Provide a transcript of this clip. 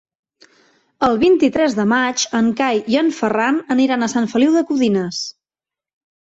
El vint-i-tres de maig en Cai i en Ferran aniran a Sant Feliu de Codines.